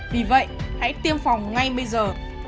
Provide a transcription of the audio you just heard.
vì vậy hãy tiêm phòng ngay bây giờ